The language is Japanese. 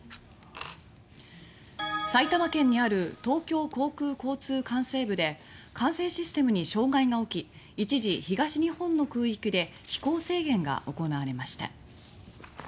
埼玉県にある東京航空交通管制部で管制システムに障害が起き一時、東日本の空域で飛行制限が行われました。